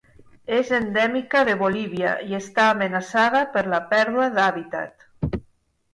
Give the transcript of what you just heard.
És endèmica de Bolívia i està amenaçada per la pèrdua d'hàbitat.